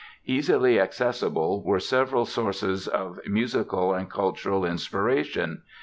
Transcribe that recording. Easily accessible were several sources of musical and cultural inspiration.